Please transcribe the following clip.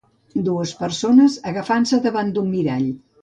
Dues persones agafant-se davant d'un mirall.